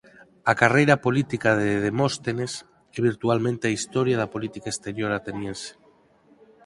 A carreira política de Demóstenes é virtualmente a historia da política exterior ateniense.